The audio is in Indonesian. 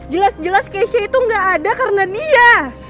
jelas jelas keisha itu gak ada karena nia